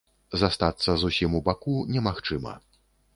Застацца зусім у баку немагчыма.